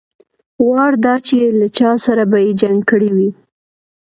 وار دا چې له چا سره به يې جنګ کړى وي.